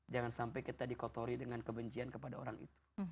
jangan sampai kita dikotori dengan kebencian kepada orang itu